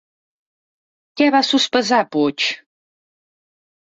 Què va sospesar Puig?